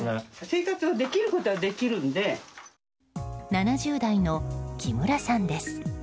７０代の木村さんです。